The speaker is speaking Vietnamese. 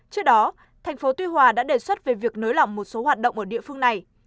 trước đó thành phố tuy hòa đã đề xuất về việc nới lỏng một số hoạt động ở địa phương này